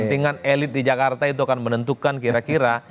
kepentingan elit di jakarta itu akan menentukan kira kira